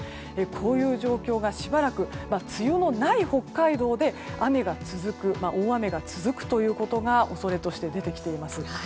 こういう状況がしばらく梅雨のない北海道で大雨が続くということが恐れとして出てきています。